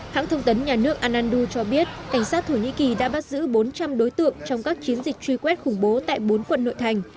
hãng thông tấn nhà nước anandu cho biết cảnh sát thổ nhĩ kỳ đã bắt giữ bốn trăm linh đối tượng trong các chiến dịch truy quét khủng bố tại bốn quận nội thành